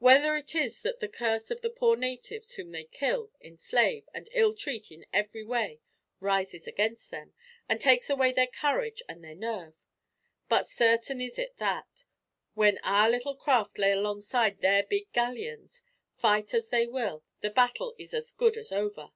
Whether it is that the curse of the poor natives, whom they kill, enslave, and ill treat in every way, rises against them, and takes away their courage and their nerve; but certain is it that, when our little craft lay alongside their big galleons, fight as they will, the battle is as good as over.